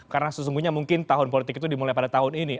karena sesungguhnya mungkin tahun politik itu dimulai pada tahun ini